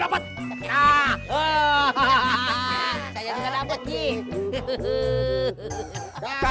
gak usah tereyak tereyak